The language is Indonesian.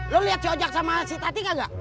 lo liat si ojak sama si tati gak gak